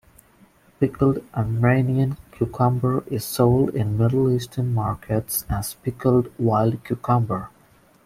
Pickled Armenian cucumber is sold in Middle Eastern markets as "Pickled Wild Cucumber".